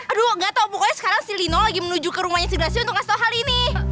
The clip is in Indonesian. aduh gak tau pokoknya sekarang si lino lagi menuju ke rumahnya si gracio untuk ngasih tau hal ini